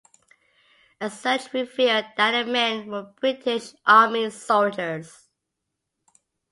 A search revealed that the men were British Army soldiers.